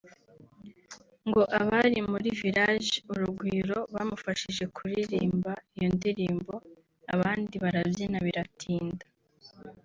ngo abari muri Village Urugwiro bamufashije kuririmba iyo ndirimbo abandi barabyina biratinda